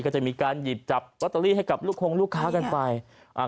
ก็จะมีการหยิบจับลอตเตอรี่ให้กับลูกคงลูกค้ากันไปอ่า